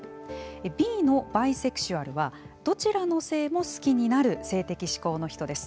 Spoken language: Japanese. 「Ｂ」のバイセクシュアルはどちらの性も好きになる性的指向の人です。